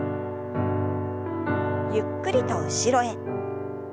ゆっくりと後ろへ。